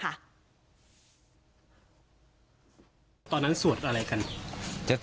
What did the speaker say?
ร้านของรัก